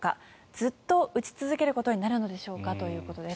ずっと打ち続けることになるのでしょうかということです。